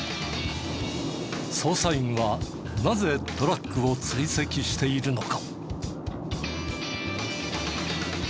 捜査員はなぜトラックを追跡しているのか？